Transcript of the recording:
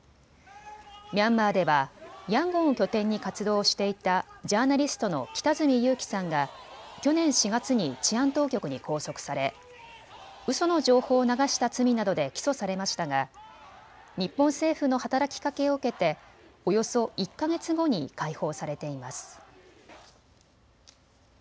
ミャンマーではヤンゴンを拠点に活動をしていたジャーナリストの北角裕樹さんが去年４月に治安当局に拘束されうその情報を流した罪などで起訴されましたが日本政府の働きかけを受けておよそ１か月後に解放されています。